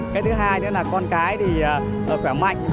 cái thứ hai nữa là con cái thì càng mạnh